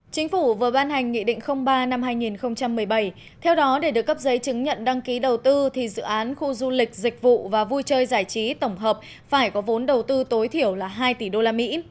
chính phủ vừa ban hành nghị định ba năm hai nghìn một mươi bảy theo đó để được cấp giấy chứng nhận đăng ký đầu tư thì dự án khu du lịch dịch vụ và vui chơi giải trí tổng hợp phải có vốn đầu tư tối thiểu là hai tỷ đô la mỹ